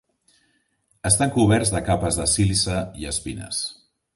Estan coberts de capes de sílice i espines.